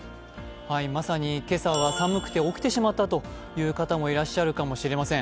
まさに今朝は寒くて起きてしまったという方もいらっしゃるかもしれません。